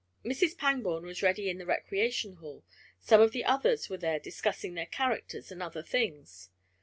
Mrs. Pangborn was ready in the recreation hall, some of the others were there discussing their characters and other things.